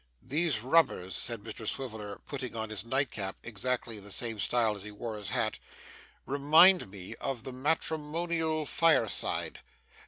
'These rubbers,' said Mr Swiveller, putting on his nightcap in exactly the same style as he wore his hat, 'remind me of the matrimonial fireside.